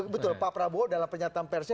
betul pak prabowo dalam pernyataan persnya